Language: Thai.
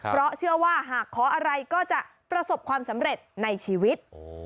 เพราะเชื่อว่าหากขออะไรก็จะประสบความสำเร็จในชีวิต